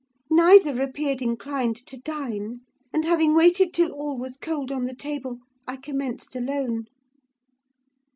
Neither appeared inclined to dine, and, having waited till all was cold on the table, I commenced alone.